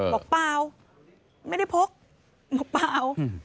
เปล่าไม่ได้พกบอกเปล่า